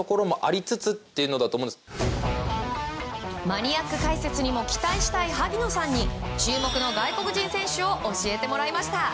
マニアック解説にも期待したい萩野さんに注目の外国人選手を教えてもらいました。